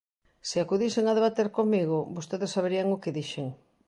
Se acudisen a debater comigo, vostedes saberían o que dixen.